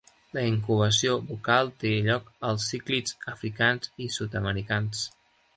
La incubació bucal té lloc als cíclids africans i sud-americans.